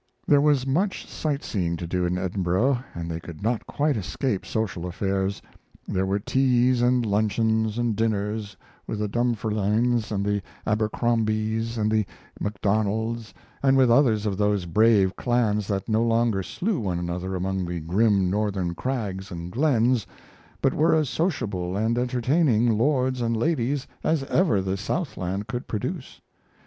There was much sight seeing to do in Edinburgh, and they could not quite escape social affairs. There were teas and luncheons and dinners with the Dunfermlines and the Abercrombies, and the MacDonalds, and with others of those brave clans that no longer slew one another among the grim northern crags and glens, but were as sociable and entertaining lords and ladies as ever the southland could produce.